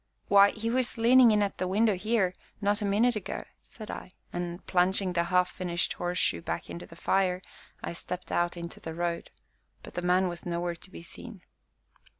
"Why, he was leaning in at the window here, not a minute ago," said I, and, plunging the half finished horseshoe back into the fire, I stepped out into the road, but the man was nowhere to be seen.